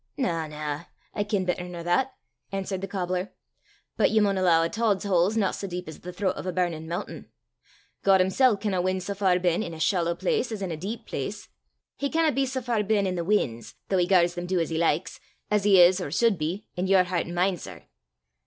"Na, na; I ken better nor that," answered the cobbler; "but ye maun alloo a tod's hole 's no sae deep as the thro't o' a burnin' m'untain! God himsel' canna win sae far ben in a shallow place as in a deep place; he canna be sae far ben i' the win's, though he gars them du as he likes, as he is, or sud be, i' your hert an' mine, sir!"